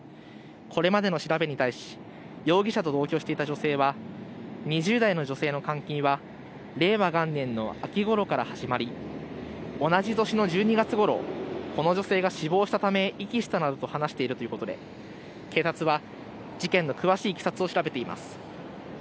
これまでの調べに対し、容疑者と同居していた女性は２０代の女性の監禁は令和元年の秋ごろから始まり、同じ年の１２月ごろ、この女性が死亡したため遺棄したなどと話しているいうことで警察は事件の詳しいいきさつを調べています。